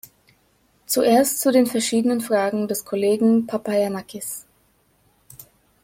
Zuerst zu den verschiedenen Fragen des Kollegen Papayannakis.